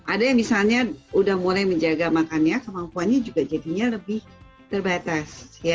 ada yang misalnya udah mulai menjaga makannya kemampuannya juga jadinya lebih terbatas